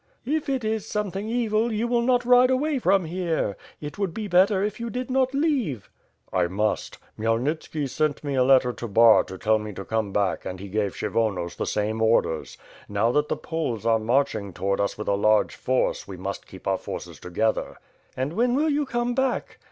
"If it is something evil you will not ride away from here. It would be better if you did not leave." I must. Khmyelnitski sent me a letter to Bar to tell me WITH FIRE AND SWORD. 445 to come back and he gave Kshyvonos the same orders. Now that the Poles are marching toward us with a large force we must keep our forces together." "And when will you come back?"